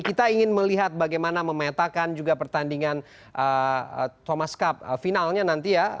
kita ingin melihat bagaimana memetakan juga pertandingan thomas cup finalnya nanti ya